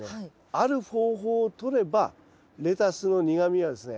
ある方法をとればレタスの苦みはですね